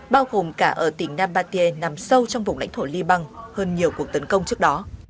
bao gồm cả ở tỉnh nabatie nằm sâu trong vùng lãnh thổ liban hơn nhiều cuộc tấn công trước đó